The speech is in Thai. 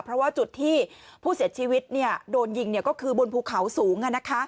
เพราะว่าจุดที่ผู้เสียชีวิตโดนยิงก็คือบนภูเขาสูง